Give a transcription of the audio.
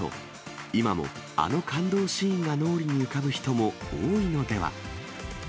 目を閉じると、今もあの感動シーンが脳裏に浮かぶ人も多いのでは。